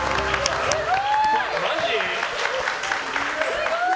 すごい！